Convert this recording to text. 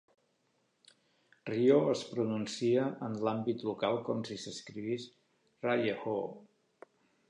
Rio es pronuncia en l'àmbit local com si s'escrivís Rye-oh.